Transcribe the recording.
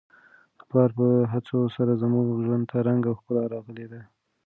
د پلار په هڅو سره زموږ ژوند ته رنګ او ښکلا راغلې ده.